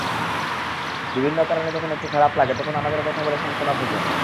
বিভিন্ন কারণে যখন একটু খারাপ লাগে তখন আমাদের কথা বলে সান্ত্বনা খোঁজেন।